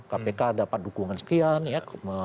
kpk dapat dukungan sekian ya